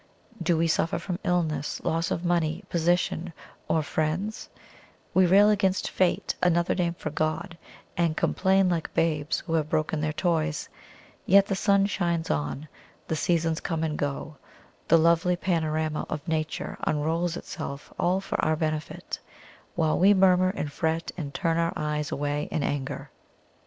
Do we suffer from illness, loss of money, position, or friends, we rail against Fate another name for God and complain like babes who have broken their toys; yet the sun shines on, the seasons come and go, the lovely panorama of Nature unrolls itself all for our benefit, while we murmur and fret and turn our eyes away in anger.